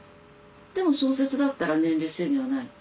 でも小説だったら年齢制限はない。